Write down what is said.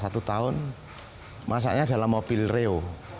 satu tahun masaknya dalam mobil reo